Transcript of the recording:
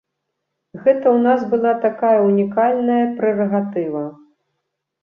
Гэта ў нас была такая ўнікальная прэрагатыва.